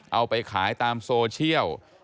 เอาไปขายตามโซเชียล